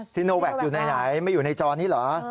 ซีโนแวคอยู่ในไหนไม่อยู่ในจอนี้เหรอ